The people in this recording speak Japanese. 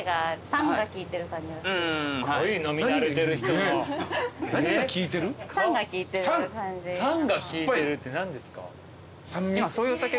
酸が効いてるって何ですか？